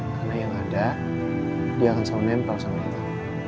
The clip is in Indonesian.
karena yang ada dia akan selalu nempel sama kita